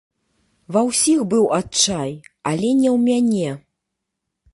Ва ўсіх быў адчай, але не ў мяне.